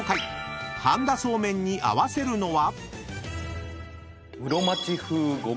［半田そうめんに合わせるのは？］